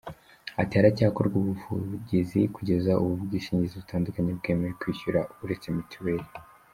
Ati” Haracyokorwa ubuvugizi, kugeza ubu ubwinshingizi butandukanye bwemeye kuyishyura uretse Mitiweli.